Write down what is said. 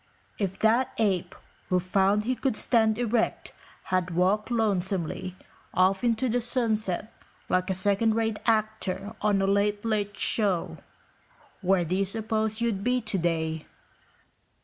If that ape who found he could stand erect had walked lonesomely off into the sunset like a second rate actor on a late, late show, where do you suppose you'd be today?"